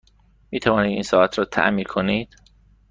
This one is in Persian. می توانید این ساعت را تعمیر کنید؟